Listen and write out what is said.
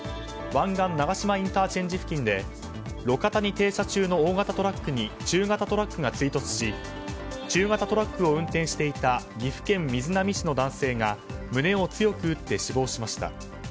湾岸長島ＩＣ付近で路肩に停車中の大型トラックに中型トラックが衝突し中型トラックを運転していた岐阜県瑞浪市の男性が胸を強く打って死亡しました。